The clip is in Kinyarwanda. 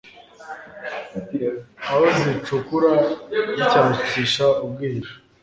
aho zicukura zishakisha ubwihisho.